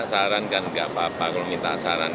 saran kan enggak apa apa kalau minta saran